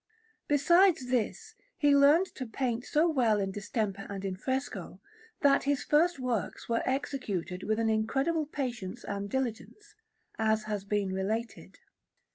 Besides this, he learnt to paint so well in distemper and in fresco, that his first works were executed with an incredible patience and diligence, as has been related.